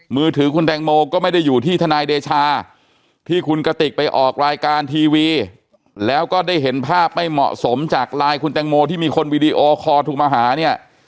มือถือคุณแตงโมก็ไม่ได้อยู่ที่ทนายเดชาที่คุณกติกไปออกรายการทีวีแล้วก็ได้เห็นภาพไม่เหมาะสมจากไลน์คุณแตงโมที่มีคนวีดีโอคอลโทรมาหาเนี่ย